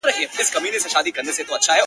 ویلې یې لاحول ده پخوا په کرنتین کي،